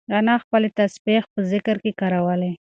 انا خپلې تسبیح په ذکر کې کارولې.